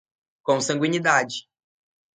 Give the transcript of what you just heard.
consanguinidade